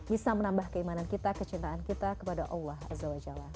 bisa menambah keimanan kita kecintaan kita kepada allah azawajala